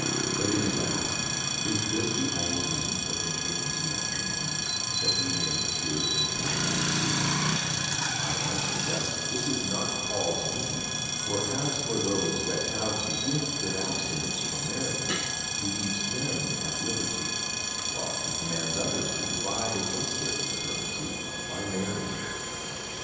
But it is asked —" Is this the only reason for entering into matrimony, that we may cure incontinency V I answer, that this is not Paul's meaning ; for as for those that have the gift of abstinence from marriage, he leaves them at liberty,^ while he commands others to provide against their infirmity by marrying.